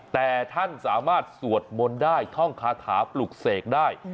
แต่ท่านสามารถสวดมนต์ได้ท่องคาถาปลุกเสกได้